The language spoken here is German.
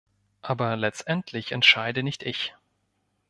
Aber letztendlich entscheide nicht ich.